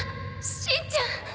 しんちゃん。